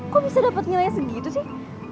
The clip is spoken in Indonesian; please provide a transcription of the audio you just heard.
kok bisa dapet nilainya segitu sih